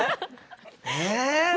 え？